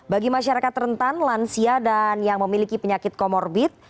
bagi masyarakat rentan lansia dan yang memiliki penyakit komorbit